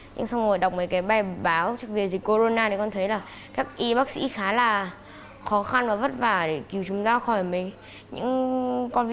nhưng xong rồi đọc mấy cái bài báo về dịch corona thì con thấy là các y bác sĩ khá là khó khăn và vất vả để cứu chúng ta khỏi những con gái